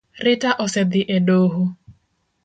Rita osedhi e doho